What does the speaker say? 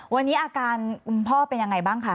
วันนี้อาการคุณพ่อเป็นยังไงบ้างคะ